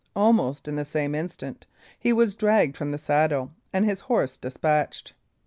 Almost in the same instant he was dragged from the saddle and his horse despatched.